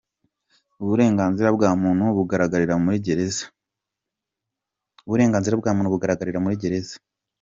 Uburenganzira bwa muntu bugaragarira muri gereza .